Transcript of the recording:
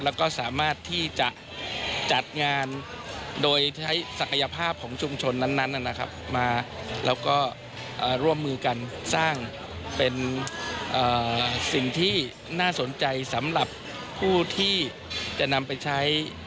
แล้วก็สามารถที่จะจัดงานโดยใช้ศักยภาพของชุมชนนั้นนะครับมาแล้วก็ร่วมมือกันสร้างเป็นสิ่งที่น่าสนใจสำหรับผู้ที่จะนำไปใช้